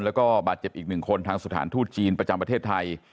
แล้วก็บาดเจ็บอีกหนึ่งคนทางสถานทูตจีนประจำประเทศไทย